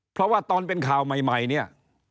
เพราะว่าตอนเป็นข่าวใหม่เนี่ย